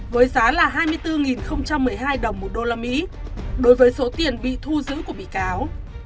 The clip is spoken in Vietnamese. với giá là hai mươi bốn một mươi hai đồng một đô la mỹ đối với số tiền bị thu giữ của bị cáo